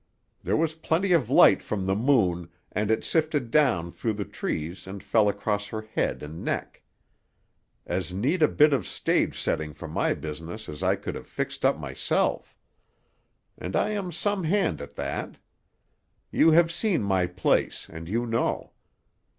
There was plenty of light from the moon and it sifted down through the trees and fell across her head and neck. As neat a bit of stage setting for my business as I could have fixed up myself; and I am some hand at that. You have seen my place, and you know.